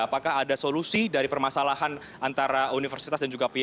apakah ada solusi dari permasalahan antara universitas dan juga pihak